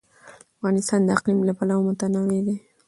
افغانستان د اقلیم له پلوه متنوع دی.